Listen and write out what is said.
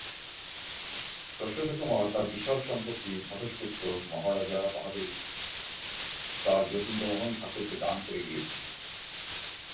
প্রসন্নকুমার তার বিশাল সম্পত্তি ভ্রাতুষ্পুত্র মহারাজা বাহাদুর স্যার যতীন্দ্রমোহন ঠাকুরকে দান করে গিয়েছিলেন।